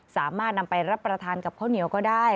สามารถนำไปรับประทานกับข้าวเหนียวก็ได้